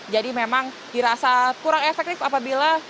jadi memang dirasa kurang efektif apabila